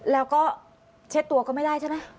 แล้วก็เช็ดตัวก็ไม่ได้ใช่ไหม